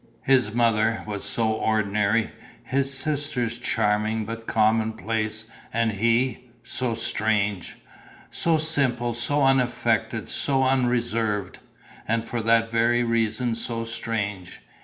His mother was so ordinary, his sisters charming but commonplace and he ... so strange! So simple, so unaffected, so unreserved; and for that very reason so strange.